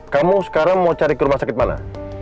kamu sekarang mau cari ke rumah sakit mana